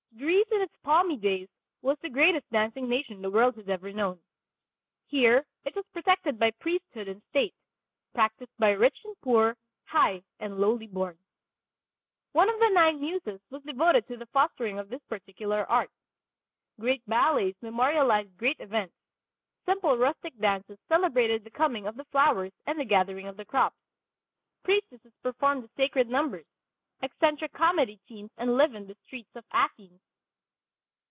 Greece in its palmy days was the greatest dancing nation the world has ever known. Here it was protected by priesthood and state, practiced by rich and poor, high and lowly born. One of the nine muses was devoted to the fostering of this particular art. Great ballets memorialized great events; simple rustic dances celebrated the coming of the flowers and the gathering of the crops. Priestesses performed the sacred numbers; eccentric comedy teams enlivened the streets of Athens.